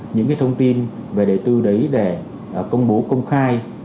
những thông tin về đề tư đấy để công bố công khai